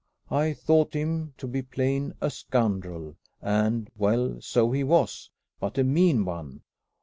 I thought him, to be plain, a scoundrel; and well, so he was but a mean one.